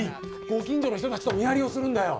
ご近所の人たちと見張りをするんだよ。